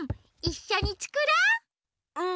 いっしょにつくろう！